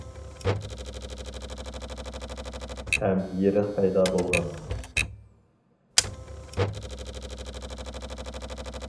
ھەم يېرىق پەيدا بولغان.